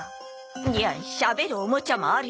いやしゃべるおもちゃもあるよ。